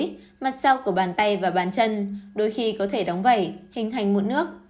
đáng chú ý mặt sau của bàn tay và bàn chân đôi khi có thể đóng vẩy hình thành mụn nước